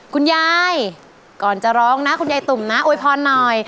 คุณยายก่อนจะร้องนะคุณยายตุ่มนะอวยพรหน่อย